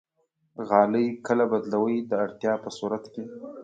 غالۍ کله بدلوئ؟ د اړتیا په صورت کې